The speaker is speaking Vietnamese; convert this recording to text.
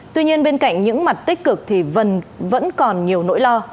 tuy nhiên bên cạnh những mặt tích cực thì vẫn còn nhiều nỗi lo